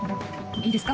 いいですか？